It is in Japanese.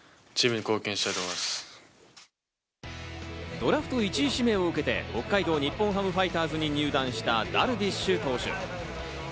ドラフト１位指名を受けて北海道日本ハムファイターズに入団したダルビッシュ投手。